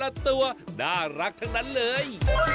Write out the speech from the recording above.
แต่ละตัวน่ารักทั้งนั้นเลย